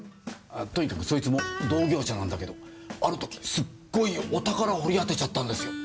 とにかくそいつも同業者なんだけどある時すっごいお宝を掘り当てちゃったんですよ。